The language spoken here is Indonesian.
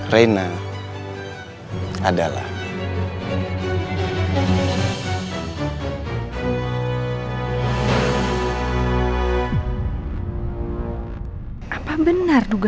kita sudah berdua